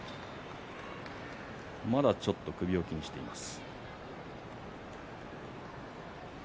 まだ少し首を気にしています。